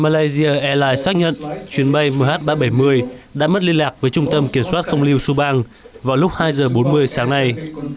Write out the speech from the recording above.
malaysia airlines xác nhận chuyến bay mh ba trăm bảy mươi đã mất liên lạc với trung tâm kiểm soát không lưu suban vào lúc hai giờ bốn mươi sáng nay